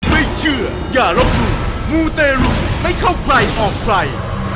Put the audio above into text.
ไม่เชื่ออย่ารบมูมูเตรลุให้เข้าใกล้ออกไฟ